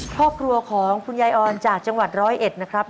ครอบครัวของคุณยายออนจากจังหวัดร้อยเอ็ดนะครับ